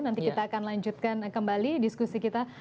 nanti kita akan lanjutkan kembali diskusi kita